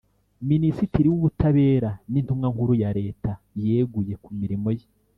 Minisitiri w Ubutabera n Intumwa nkuru ya leta yeguye ku mirimo ye